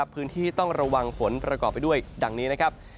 พื้นที่ต้องระวังฝนประกอบไปด้วยดังนี้นะครับ